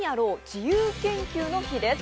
自由研究の日」です。